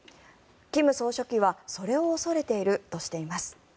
金総書記はそれを恐れているとしています。